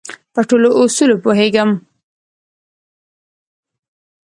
په ټولو اصولو پوهېږم.